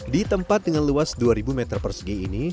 di tempat dengan luas dua ribu meter persegi ini